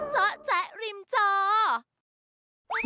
เจ้าแจ๊ะริมเจ้า